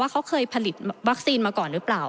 เขาเคยผลิตวัคซีนมาก่อนหรือเปล่า